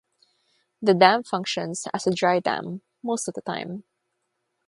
The dam functions as a dry dam most of the time.